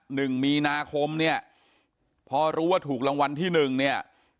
หนึ่งมีนาคมเนี่ยพอรู้ว่าถูกรางวัลที่หนึ่งเนี่ย